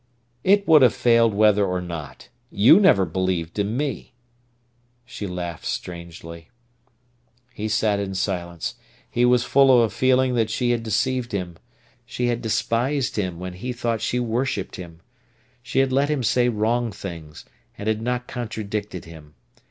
"It would have failed whether or not. You never believed in me." She laughed strangely. He sat in silence. He was full of a feeling that she had deceived him. She had despised him when he thought she worshipped him. She had let him say wrong things, and had not contradicted him.